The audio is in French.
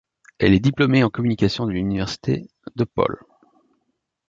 Elle est diplômée en communication de l'Université DePaul.